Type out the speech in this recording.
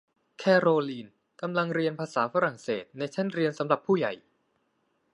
แคโรลีนกำลังเรียนภาษาฝรั่งเศสในชั้นเรียนสำหรับผู้ใหญ่